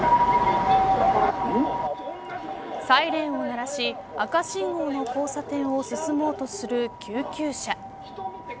サイレンを鳴らし赤信号の交差点を進もうとする救急車。